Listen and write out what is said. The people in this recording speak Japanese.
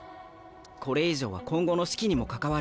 これ以上は今後の士気にも関わる。